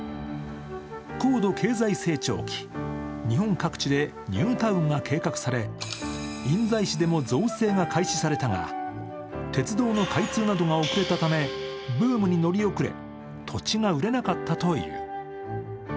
高度経済成長期、日本各地でニュータウンが計画され、印西市でも造成が開始されたが、鉄道の開通などが遅れたため、ブームに乗り遅れ土地が売れなかったという。